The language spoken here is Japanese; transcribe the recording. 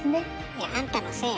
いやあんたのせいや。